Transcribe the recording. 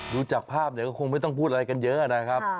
ดูจากภาพเนี่ยก็คงไม่ต้องพูดอะไรกันเยอะนะครับ